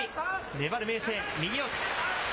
粘る明生、右四つ。